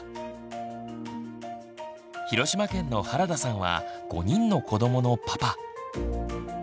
広島県の原田さんは５人の子どものパパ。